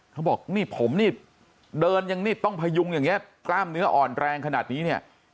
เขาบอกนี่ผมนี่เดินยังนี่ต้องพยุงอย่างนี้กล้ามเนื้ออ่อนแรงขนาดนี้เนี่ย